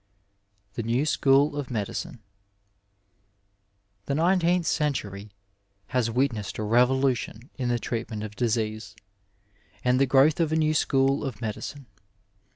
THE NEW SCHOOL OF MEDICINE The nineteenth century has witnessed a revolution in the treatment of disease, and the growth of a new school of medicine.